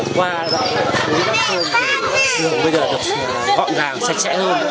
qua gắn bắt đường đường bây giờ được gọn ràng sạch